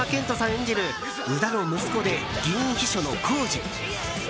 演じる宇田の息子で議員秘書の晄司。